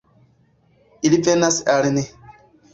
Ili venas al ni.